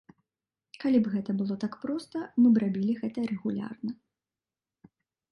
Калі б гэта было так проста, мы б рабілі гэта рэгулярна.